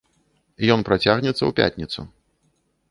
Ён працягнецца ў пятніцу.